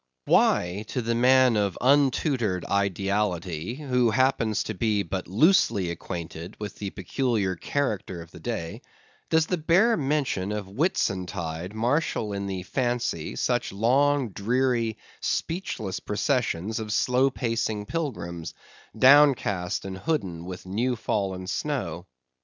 Why to the man of untutored ideality, who happens to be but loosely acquainted with the peculiar character of the day, does the bare mention of Whitsuntide marshal in the fancy such long, dreary, speechless processions of slow pacing pilgrims, down cast and hooded with new fallen snow?